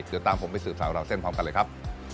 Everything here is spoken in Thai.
เดี๋ยวตามผมไปสืบสาวราวเส้นพร้อมกันเลยครับ